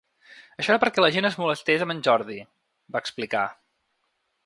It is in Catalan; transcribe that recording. Això era perquè la gent es molestés amb en Jordi, va explicar.